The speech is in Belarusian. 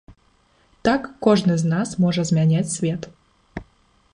Так кожны з нас можа змяняць свет.